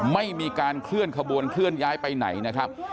ไม่มีการเคลื่อนขบวนเคลื่อนย้ายไปไหนนะครับ